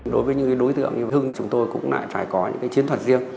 đối với những đối tượng như hưng chúng tôi cũng lại phải có những chiến thuật riêng